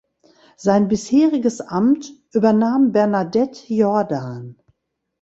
Sein bisheriges Amt übernahm Bernadette Jordan.